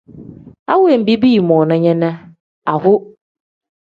A wenbi biimoona nya ne aho.